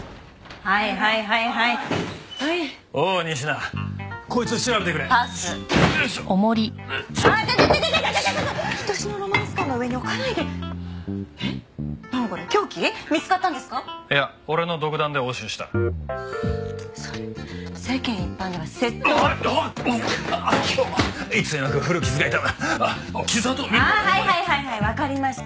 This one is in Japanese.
ああはいはいはいはいわかりました。